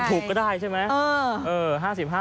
ถูกก็ได้ใช่ไหม